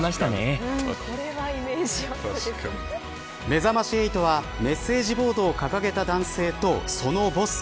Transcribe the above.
めざまし８はメッセージボードを掲げた男性とそのボス